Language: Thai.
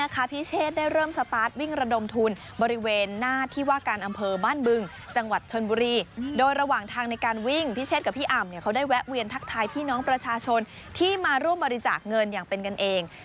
เขาได้แวะเวียนทักทายพี่น้องประชาชนที่มาร่วมบริจาคเงินอย่างเป็นกันเอง